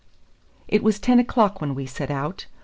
It was ten o'clock when we set out.